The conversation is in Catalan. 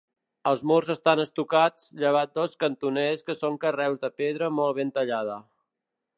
Els murs estan estucats, llevat dels cantoners que són carreus de pedra molt ben tallada.